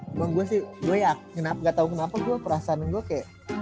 cuma gua sih gua ya ga tau kenapa gua perasaan gua kayak